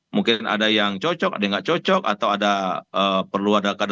mungkin ada yang cocok ada yang gak cocok atau ada perlu ada kader yang lain diusulkan lagi